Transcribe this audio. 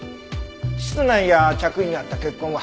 室内や着衣にあった血痕は？